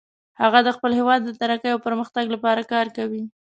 هغه د خپل هیواد د ترقۍ او پرمختګ لپاره کار کوي